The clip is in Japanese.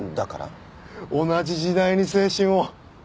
同じ時代に青春を。